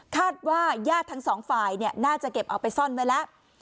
คาดว่าย่าทั้งสองฝ่ายเนี่ยน่าจะเก็บเอาไปซ่อนไว้แล้ว